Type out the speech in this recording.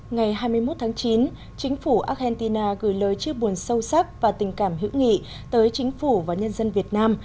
ngày hai mươi một tháng chín chính phủ argentina gửi lời chia buồn sâu sắc và tình cảm hữu nghị tới chính phủ và nhân dân việt nam